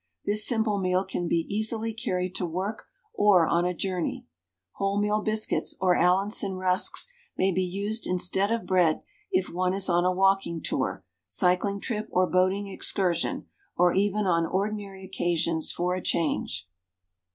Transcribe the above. This simple meal can be easily carried to work, or on a journey. Wholemeal biscuits or Allinson rusks may be used instead of bread if one is on a walking tour, cycling trip, or boating excursion, or even on ordinary occasions for a change.